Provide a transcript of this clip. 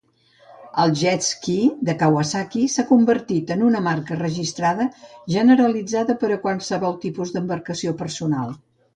El "Jet Ski" de Kawasaki s'han convertit en una marca registrada generalitzada per a qualsevol tipus d'embarcació personal.